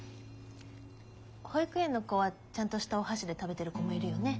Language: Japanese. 保育園の子はちゃんとしたお箸で食べてる子もいるよね。